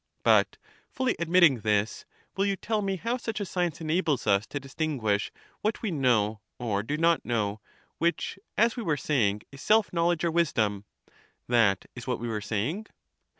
But fully admitting this, will you tell me how such a science enables us to distinguish what we know or do not know, which, as we were saying, is self knowledge or wisdom. That is what we were saying?